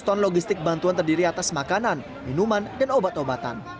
seratus ton logistik bantuan terdiri atas makanan minuman dan obat obatan